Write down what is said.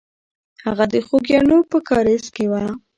هغه د خوګیاڼیو په کارېز کې وه.